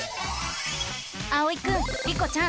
あおいくんリコちゃん